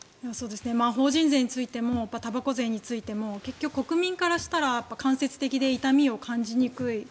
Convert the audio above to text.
法人税についてもたばこ税についても結局、国民からしたら間接的で痛みを感じにくい。